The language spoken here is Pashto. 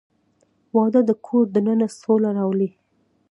• واده د کور دننه سوله راولي.